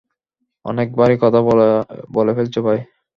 অনেক ভারী কথা বলে ফেলেছো ভাই।